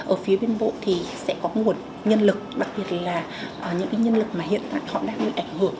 ở phía bên bộ thì sẽ có nguồn nhân lực đặc biệt là những nhân lực mà hiện tại họ đang bị ảnh hưởng